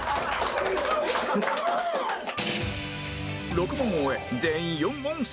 ６問を終え全員４問正解